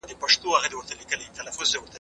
هغه د لارو خونديتوب ساتلو ته جدي و.